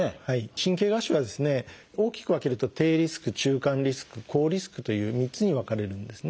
神経芽腫はですね大きく分けると「低リスク」「中間リスク」「高リスク」という３つに分かれるんですね。